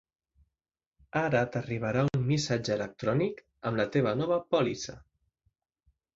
Ara t'arribarà un missatge electrònic amb la teva nova pòlissa.